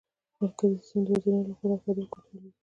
مرکزي سیسټم د وزیرانو لخوا رهبري او کنټرولیږي.